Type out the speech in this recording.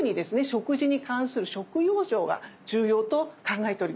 食事に関する食養生が重要と考えております。